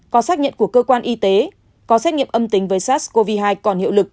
có xác nhận của cơ quan y tế có xét nghiệm âm tính với sars cov hai còn hiệu lực